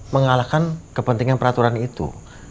mengalahkan kepentingan peraturan itu